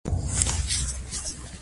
د دې پاڅون مشري واټ تایلور کوله.